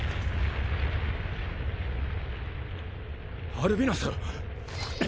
アルビナス！